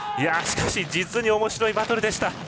しかし、実におもしろいバトルでした。